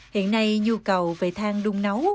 hiện nay nhu cầu về thang đun nấu